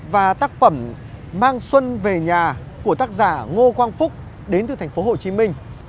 và tác phẩm mang xuân về nhà của tác giả ngô quang phúc đến từ thành phố hồ chí minh